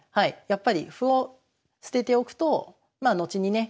やっぱり歩を捨てておくと後にね